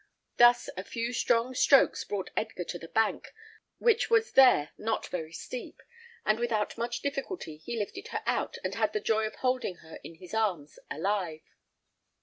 Thus, a few strong strokes brought Edgar to the bank, which was there not very steep, and without much difficulty he lifted her out, and had the joy of holding her in his arms alive.